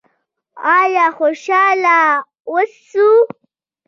آیا خوشحاله اوسو؟